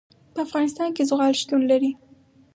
په افغانستان کې زغال شتون لري.